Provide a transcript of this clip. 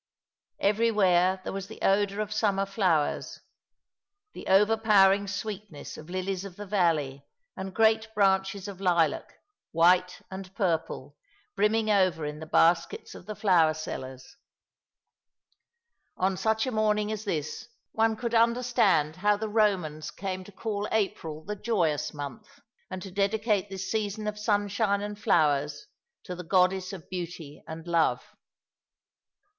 Everywhere there was the odour of summer flowers, the overpowering sweetness of lilies of the valley, and great branches of lilac, white and purple, brimming over in the baskets of the flower sellers. 250 All along the River » On such a morning as tMs one could understand how tha Romans came to call April the joyous month, and to dedicate this season of sunshine and flowers to the Goddess of Beauty and Love.